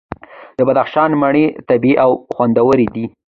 د بدخشان مڼې طبیعي او خوندورې دي.